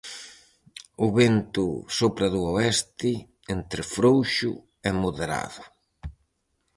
O vento sopra do oeste, entre frouxo e moderado.